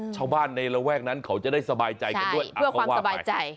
เช้าบ้านในระแวกนั้นเขาจะได้สบายใจกันด้วยอ้าวเขาว่าไงใช่เพื่อความสบายใจ